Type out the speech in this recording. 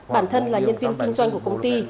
bản thân là nhân viên kinh doanh của công ty